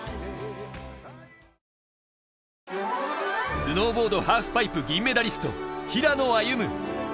スノーボードハーフパイプ、銀メダリスト平野歩夢。